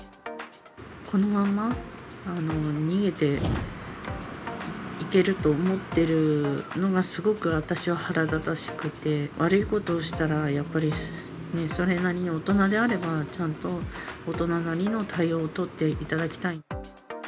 このまんま、逃げていけると思っているのがすごく私は腹立たしくて、悪いことをしたら、やっぱりそれなりの大人であれば、ちゃんと大人なりの対応を取っていただきたい。